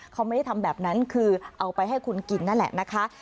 เขาไม่ได้ทำแบบนั้นคือเอาไปให้คุณกินนั่นแหละนะคะ